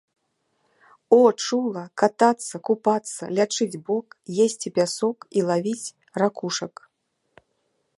О, чула, катацца, купацца, лячыць бок, есці пясок і лавіць ракушак.